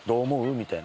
みたいな。